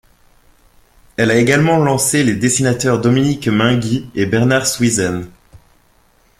Elle a également lancé les dessinateurs Dominique Mainguy et Bernard Swysen.